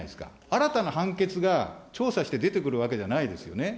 新たな判決が調査して出てくるわけじゃないですよね。